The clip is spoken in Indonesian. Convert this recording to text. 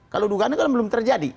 kalau dugaan itu kan belum terjadi